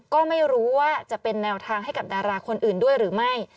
ก็ไม่รู้ว่าจะเป็นแนวทางให้กับดาราคนอื่นด้วยหรือไม่